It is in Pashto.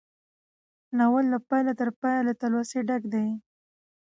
ناول له پيله تر پايه له تلوسې ډک دی.